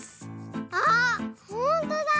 あっほんとだ！